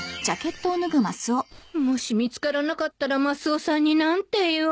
もし見つからなかったらマスオさんに何て言おう